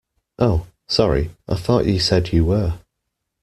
Oh, sorry, I thought you said you were.